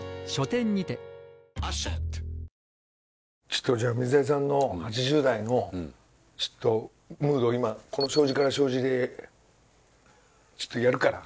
ちょっとじゃあ水谷さんの８０代のムードを今この障子から障子でちょっとやるから。